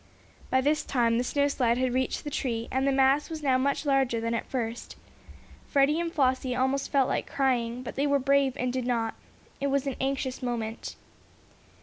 By this time the snowslide had reached the tree, and the mass was now much larger than at first. Freddie and Flossie felt like crying, but they were brave and did not. It was an anxious moment.